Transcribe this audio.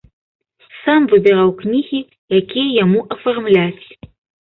Сам выбіраў кнігі, якія яму афармляць.